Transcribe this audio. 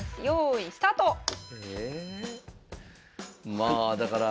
まあだから。